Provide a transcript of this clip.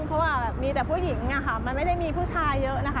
เพราะว่าแบบมีแต่ผู้หญิงอะค่ะมันไม่ได้มีผู้ชายเยอะนะคะ